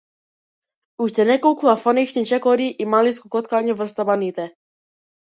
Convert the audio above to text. Уште неколку афонични чекори и мали скокоткања врз табаните.